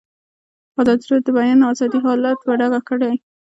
ازادي راډیو د د بیان آزادي حالت په ډاګه کړی.